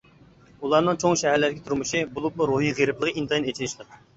ئۇلارنىڭ چوڭ شەھەرلەردىكى تۇرمۇشى، بولۇپمۇ روھىي غېرىبلىقى ئىنتايىن ئېچىنىشلىق.